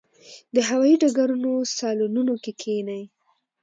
د هوايي ډګرونو صالونونو کې کښېني.